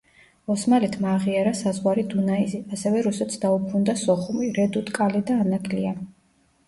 ოსმალეთმა აღიარა საზღვარი დუნაიზე, ასევე რუსეთს დაუბრუნდა სოხუმი, რედუტ-კალე და ანაკლია.